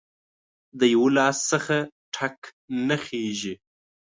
د یو لاس څخه ټک نه خیژي